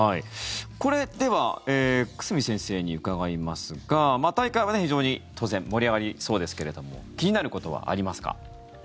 これでは、久住先生に伺いますが大会は非常に当然盛り上がりそうですけれども気になることはありますか？